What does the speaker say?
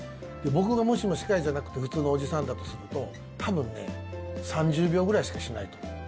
僕が、もしも歯科医じゃなくて普通のおじさんだとすると多分ね、３０秒ぐらいしかしないと思う。